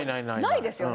ないですよね。